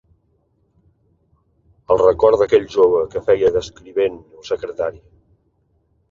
El record d'aquell jove que feia d'escrivent o secretari